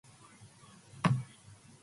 It is situated between Seaham and Easington.